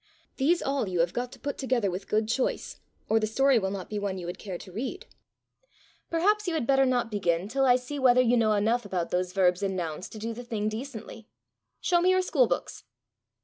These all you have got to put together with good choice, or the story will not be one you would care to read. Perhaps you had better not begin till I see whether you know enough about those verbs and nouns to do the thing decently. Show me your school books."